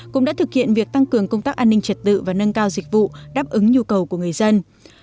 cũng đã thực hiện việc tăng cường công tác an ninh trật tự và nâng cao dịch vụ đáp ứng nhu cầu của người dân